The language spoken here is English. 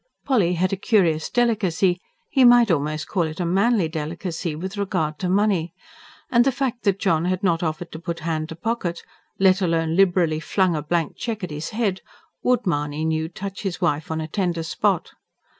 Polly had a curious delicacy he might almost call it a manly delicacy with regard to money; and the fact that John had not offered to put hand to pocket; let alone liberally flung a blank cheque at his head, would, Mahony knew, touch his wife on a tender spot.